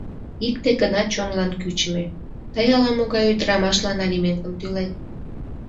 Икте гына чонлан кӱчымӧ: тый ала-могай ӱдырамашлан алиментым тӱлет.